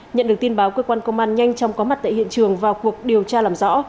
nhận được tin báo cơ quan công an nhanh chóng có mặt tại hiện trường vào cuộc điều tra làm rõ